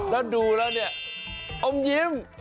แล้วดูแล้วเนี่ยอมยิ้ม